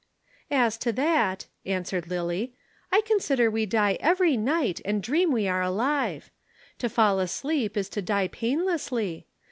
"As to that," answered Lillie. "I consider we die every night and dream we are alive. To fall asleep is to die painlessly.